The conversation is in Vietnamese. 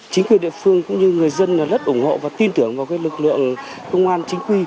chính quyền địa phương cũng như người dân rất ủng hộ và tin tưởng vào lực lượng công an chính quy